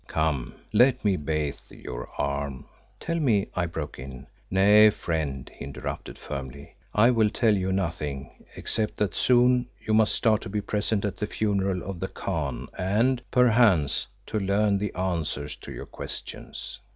Come, let me bathe your arm." "Tell me," I broke in "Nay, friend," he interrupted firmly, "I will tell you nothing, except that soon you must start to be present at the funeral of the Khan, and, perchance, to learn the answer to your questions."